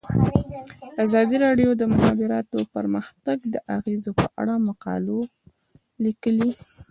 ازادي راډیو د د مخابراتو پرمختګ د اغیزو په اړه مقالو لیکلي.